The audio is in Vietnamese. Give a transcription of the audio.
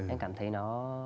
em cảm thấy nó